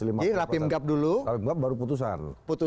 lapimgap dulu baru putusan